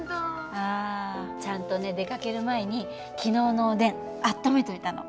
あちゃんとね出かける前に昨日のおでん温めといたの。